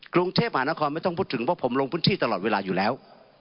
กรุงเทพหานครไม่ต้องพูดถึงเพราะผมลงพื้นที่ตลอดเวลาอยู่แล้ว